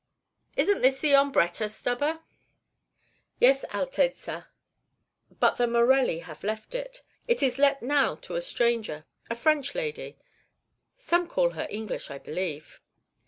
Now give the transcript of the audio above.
"Isn't this the 'Ombretta,' Stubber?" "Yes, Altezza; but the Morelli have left it. It is let now to a stranger, a French lady. Some call her English, I believe."